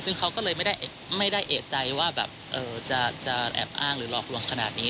ซึ่งเขาก็เลยไม่ได้เอกใจว่าแบบจะแอบอ้างหรือหลอกลวงขนาดนี้